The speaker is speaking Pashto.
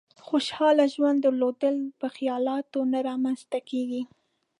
خوشحاله ژوند درلودل په خيالاتو نه رامېنځ ته کېږي.